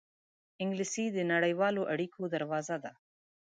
انګلیسي د نړیوالو اړېکو دروازه ده